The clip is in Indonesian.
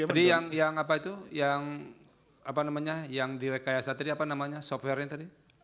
jadi yang apa itu yang apa namanya yang di rekayasa tadi apa namanya software nya tadi